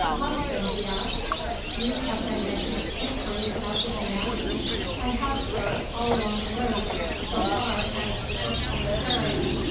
"Hosken," he asked, "you have been making inquiries about this man?" "I have, sir; all along the road, so far as Torpoint Ferry."